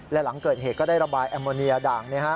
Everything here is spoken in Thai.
และหลังเกิดเหตุก็ได้ระบายแอมโมเนียด่าง